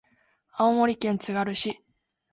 青森県つがる市